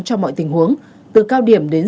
cho mọi tình huống từ cao điểm đến